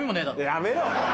やめろ！